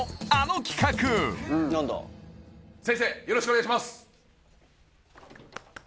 よろしくお願いします